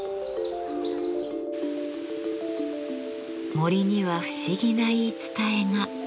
森には不思議な言い伝えが。